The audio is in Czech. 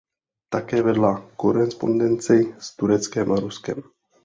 Také vedla korespondenci s Tureckem a Ruskem.